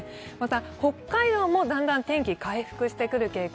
また、北海道もだんだん天気は回復してくる傾向。